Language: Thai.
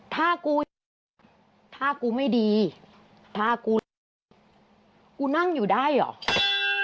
ถ้ากูยังถ้ากูไม่ดีถ้ากูกูนั่งอยู่ได้เหรอ